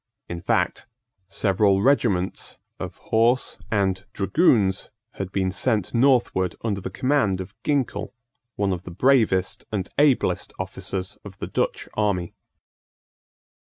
In fact, several regiments of horse and dragoons had been sent northward under the command of Ginkell, one of the bravest and ablest officers of the Dutch army.